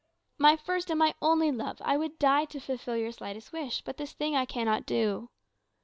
"My first and my only love, I would die to fulfil your slightest wish. But this thing I cannot do."